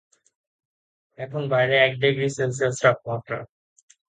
এখন বাইরে এক ডিগ্রী সেলসিয়াস তাপমাত্রা।